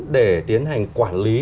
để tiến hành quản lý